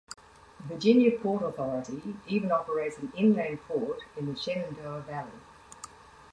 The Virginia Port Authority even operates an inland port in the Shenandoah Valley.